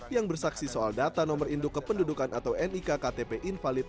yang bersaksi soal data nomor induk kependudukan atau nik ktp invalid